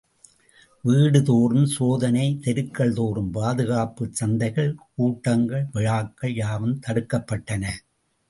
வீடுதோறும் சோதனை, தெருக்கள் தோறும் பாதுகாப்பு சந்தைகள், கூட்டங்கள், விழாக்கள் யாவும் தடுக்கப்பட்டன.